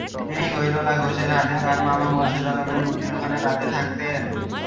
তিনি গৈড়লা ঘোষের হাটে তাঁর মামা মোরশেদ আলমের মুদি দোকানে রাতে থাকতেন।